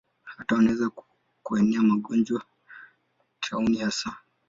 Hata wanaweza kuenea magonjwa, tauni hasa.